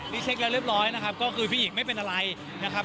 นี่เช็คแล้วเรียบร้อยนะครับก็คือพี่หญิงไม่เป็นอะไรนะครับ